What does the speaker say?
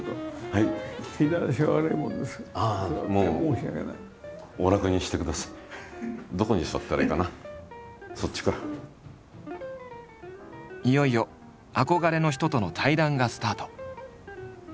いよいよ憧れの人との対談がスタート。